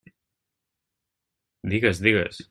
Digues, digues.